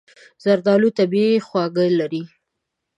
زردالو طبیعي خواږه لري.